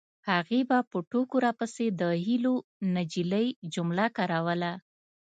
هغې به په ټوکو راپسې د هیلو نجلۍ جمله تکراروله